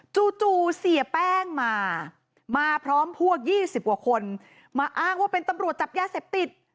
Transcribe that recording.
จู่เสียแป้งมามาพร้อมพวก๒๐กว่าคนมาอ้างว่าเป็นตำรวจจับยาเสพติด